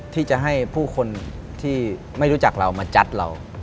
ที่จะให้ผู้คนที่ไม่รู้จักเรามาจัดเรา